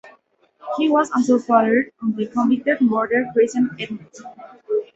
He was also father of the convicted murderer Christiana Edmunds.